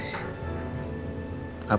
aku mau ke sana